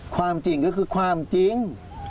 ความจริงก็คือความจริง